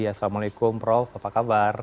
assalamualaikum prof apa kabar